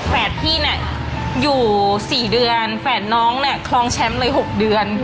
พี่เนี่ยอยู่๔เดือนแฝดน้องเนี่ยคลองแชมป์เลย๖เดือน